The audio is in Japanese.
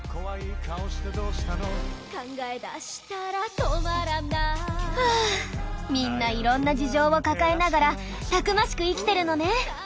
どこ行った？はあみんないろんな事情を抱えながらたくましく生きてるのねえ。